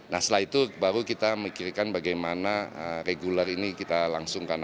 nah setelah itu baru kita mikirkan bagaimana regular ini kita langsungkan